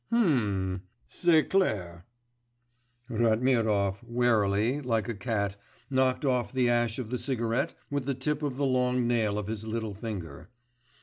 'Hm. C'est clair.' Ratmirov warily, like a cat, knocked off the ash of the cigarette with the tip of the long nail of his little finger.